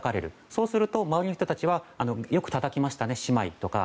そうすると、周りの人たちはよくたたきましたね、姉妹とか。